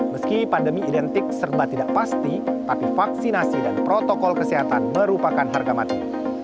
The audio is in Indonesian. meski pandemi identik serba tidak pasti tapi vaksinasi dan protokol kesehatan merupakan harga mati